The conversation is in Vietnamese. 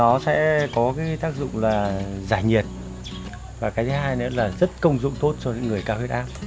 nó sẽ có tác dụng giải nhiệt và thứ hai là rất công dụng tốt cho người cao huyết ác